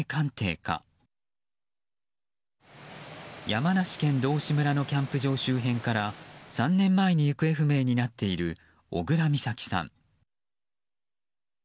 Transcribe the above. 山梨県道志村のキャンプ場周辺から３年前に行方不明になっている小倉美咲さん。